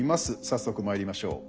早速まいりましょう。